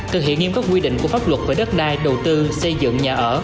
thực hiện nghiêm các quy định của pháp luật về đất đai đầu tư xây dựng nhà ở